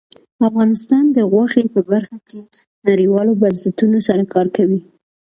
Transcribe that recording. افغانستان د غوښې په برخه کې نړیوالو بنسټونو سره کار کوي.